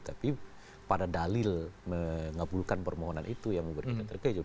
tapi pada dalil mengabulkan permohonan itu yang membuat kita terkejut